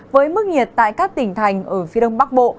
với mức nhiệt tại các tỉnh thành ở phía đông bắc bộ